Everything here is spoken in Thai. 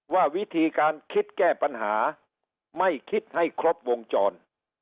ว่าวิธีการคิดแก้ปัญหาไม่คิดให้ครบวงจร